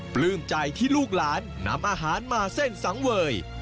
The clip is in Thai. ปลื้มใจที่ลูกหลานนำอาหารมาเส้นสังเวย